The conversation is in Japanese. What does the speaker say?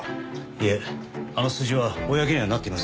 いえあの数字は公にはなっていません。